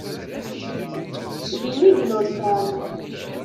Din i ilul Tom.